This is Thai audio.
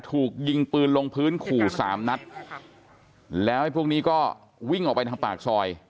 ถูกยิงปืนลงพื้นขู่สามนัดแล้วไอ้พวกนี้ก็วิ่งออกไปทางปากซอย